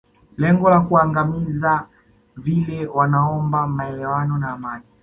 lengo la kuwaangamiza vile wanaomba maelewano na amani